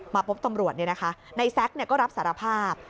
มาพบตำรวจเนี่ยนะคะในแซ็กเนี่ยก็รับสารภาพ